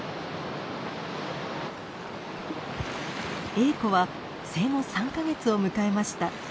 エーコは生後３か月を迎えました。